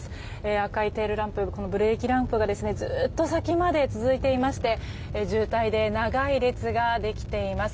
赤いブレーキランプがずっと先まで続いていまして渋滞で長い列ができています。